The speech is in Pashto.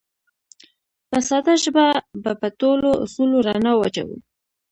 په ساده ژبه به په ټولو اصولو رڼا واچوو